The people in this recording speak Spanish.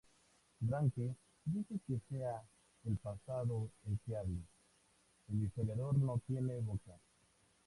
Ranke dice que sea el pasado el que hable, el historiador no tiene boca.